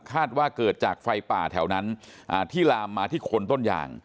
ว่าเกิดจากไฟป่าแถวนั้นที่ลามมาที่คนต้นยาง